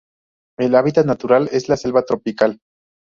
El hábitat natural es la selva tropical.